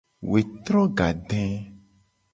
Wetro gade.